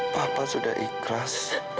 papa sudah ikhlas